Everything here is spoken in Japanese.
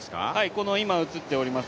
この今映っております